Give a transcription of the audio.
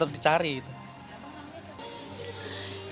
kenaikan harga tidak hanya terjadi